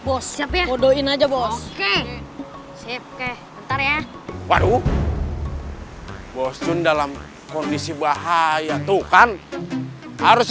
bos siap ya kodoin aja bos oke sip oke ntar ya waduh bos cun dalam kondisi bahaya tuh kan harusnya